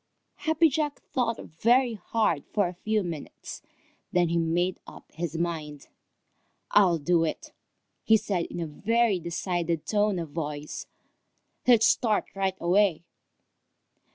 Happy Jack thought very hard for a few minutes. Then he made up his mind. "I'll do it!" said he in a very decided tone of voice. "Let's start right away."